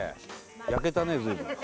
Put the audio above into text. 焼けたね随分。